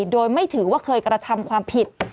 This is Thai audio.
โดยไม่ถือว่าเคยกระทำความผิด